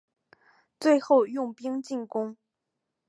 最后用兵进攻。